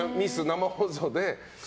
生放送で。